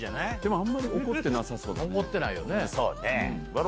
あんまり怒ってなさそう。